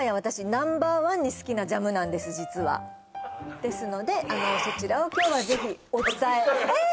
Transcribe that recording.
ナンバーワンに好きなジャムなんです実はですのであのそちらを今日はぜひお伝ええーっ